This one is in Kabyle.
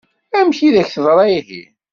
Amek i d-ak-teḍṛa ihi?